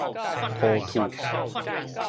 塗魠